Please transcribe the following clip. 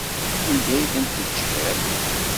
Anda ay ten-tejjiḍ?